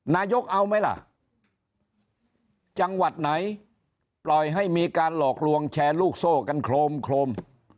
นายกเอาไหมล่ะจังหวัดไหนปล่อยให้มีการหลอกลวงแชร์ลูกโซ่กันโครมโครม